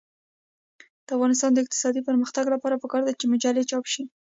د افغانستان د اقتصادي پرمختګ لپاره پکار ده چې مجلې چاپ شي.